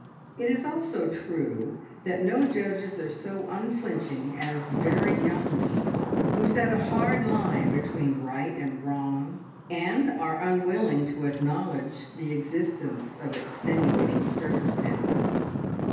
It is also true that no judges are so unflinching as very young people, who set a hard line between right and wrong, and are unwilling to acknowledge the existence of extenuating circumstances.